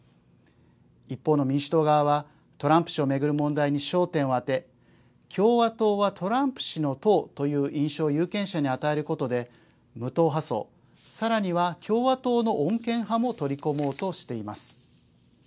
一方の民主党側はトランプ氏を巡る問題に焦点を当て共和党はトランプ氏の党という印象を有権者に与えることで無党派層さらには、共和党の穏健派も取り込もうとしています。